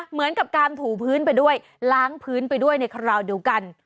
เหมือนกับการถูพื้นไปด้วยล้างพื้นไปด้วยในคราวเดียวกัน